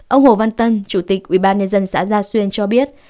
ông hồ văn tân chủ tịch ubnd xã gia xuyên cho biết